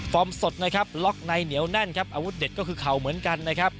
ฟอร์มสดล็อกในเหนียวแน่นอวุธเด็ดก็คือเข่าเหมือนกัน